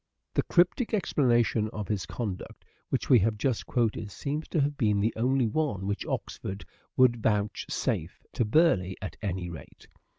The cryptic explanation of his conduct which we have just quoted seems to have been the only one which Oxford would vouchsafe — to Burleigh at any rate.